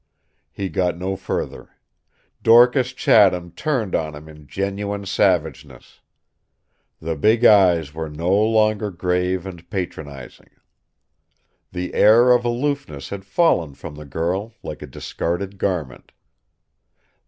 He got no further. Dorcas Chatham turned on him in genuine savageness. The big eyes were no longer grave and patronizing. The air of aloofness had fallen from the girl like a discarded garment.